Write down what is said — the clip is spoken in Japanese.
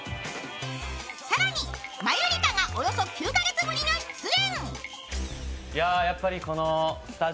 更に、マユリカがおよそ９か月ぶりの出演。